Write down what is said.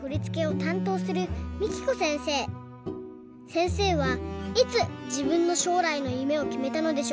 せんせいはいつじぶんのしょうらいのゆめをきめたのでしょうか？